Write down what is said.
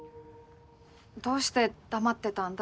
どうして黙ってたんだ？